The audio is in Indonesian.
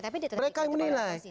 mereka yang menilai